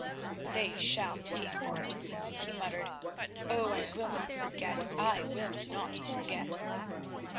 "They shall pay for it," he muttered. "Oh! I will not forget, I will not forget."